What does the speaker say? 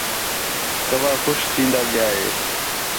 کَوّا خوش تِھین٘دا ڳِیا ہِے